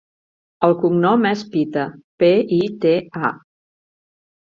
El cognom és Pita: pe, i, te, a.